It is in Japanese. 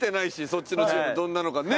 そっちのチームどんなのかね。